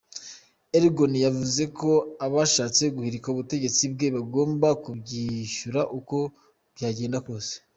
Erdgon yavuze ko abashatse guhirika ubutegetsi bwe bagomba kubyishyura uko byagenda kose.